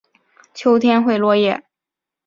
秋天会落叶。